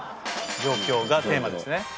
「上京」がテーマですね。